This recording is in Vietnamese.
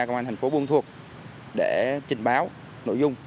của hành phố buông thuộc để trình báo nội dung